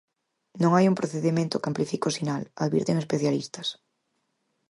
Non hai un procedemento que amplifique o sinal, advirten especialistas.